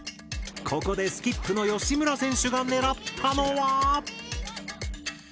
ここでスキップの吉村選手が狙ったのは？